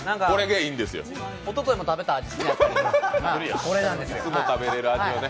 おとといも食べた味っすね。